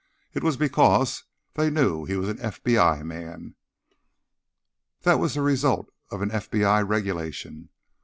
It was because they knew he was an FBI man. That was the result of an FBI regulation.